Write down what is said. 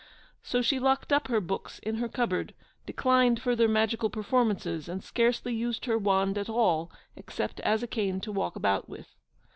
So she locked up her books in her cupboard, declined further magical performances, and scarcely used her wand at all except as a cane to walk about with.